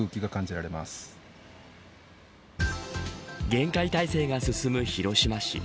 厳戒態勢が進む広島市。